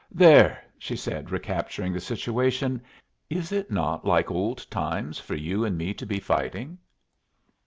"There!" she said, recapturing the situation; "is it not like old times for you and me to be fighting."